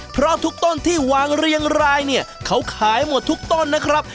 เพราะทุกต้นที่วางเรียงรายเนี่ยเขาขายหมดทุกต้นนะครับ